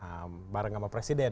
saya juga nggak nyangka ternyata di ppr